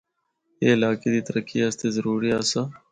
اے علاقے دی ترقی آسطے ضروری آسا۔